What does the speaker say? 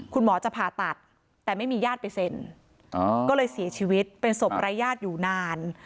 คุณหมอจะผ่าตัดแต่ไม่มีญาติไปเซ็นก็เลยเสียชีวิตเป็นศพรายญาติอยู่นาน